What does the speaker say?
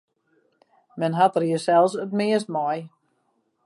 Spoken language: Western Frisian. Men hat der jinsels it meast mei.